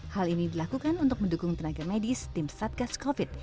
hal ini dilakukan untuk mendukung tenaga medis tim satgas covid sembilan